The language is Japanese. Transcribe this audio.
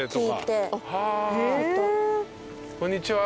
こんにちは。